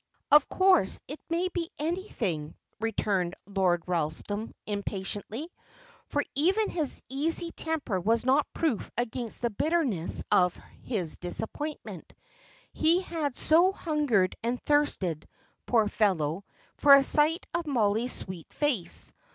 "Of course it may be anything," returned Lord Ralston, impatiently, for even his easy temper was not proof against the bitterness of his disappointment, he had so hungered and thirsted, poor fellow, for a sight of Mollie's sweet face.